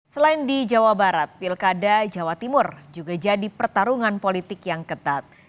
selain di jawa barat pilkada jawa timur juga jadi pertarungan politik yang ketat